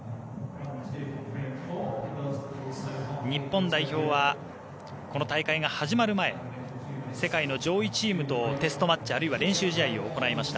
日本代表はこの大会が始まる前世界の上位チームとテストマッチあるいは練習試合を行いました。